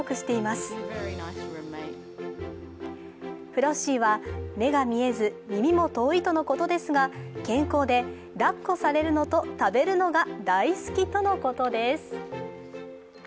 フロッシーは目が見えず耳も遠いとのことですが健康でだっこされるのと食べるのが大好きとのことです。